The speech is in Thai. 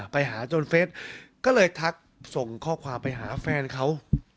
ไปหาจนเฟสก็เลยทักส่งข้อความไปหาแฟนเขา